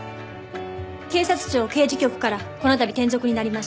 警察庁刑事局からこのたび転属になりました